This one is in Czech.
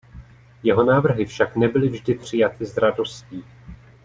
Jeho návrhy však nebyly vždy přijaty s radostí.